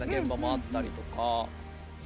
あったりとか。